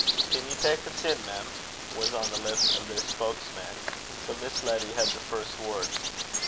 'Can ye tak 's in, mem?' was on the lips of their spokesman, but Miss Letty had the first word.